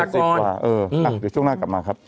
เดี๋ยวช่วงหน้ากลับมาครับ